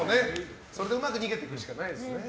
それでうまく逃げていくしかないですね。